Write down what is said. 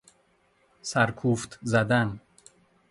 سرکوفت زدن